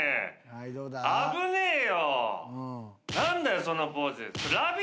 危ねえよ！